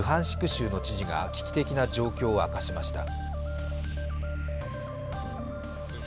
州の知事が危機的な状況を明かしました。